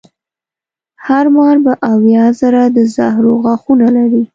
هر مار به اویا زره د زهرو غاښونه لري.